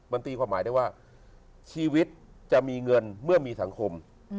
มันตีความหมายได้ว่าชีวิตจะมีเงินเมื่อมีสังคม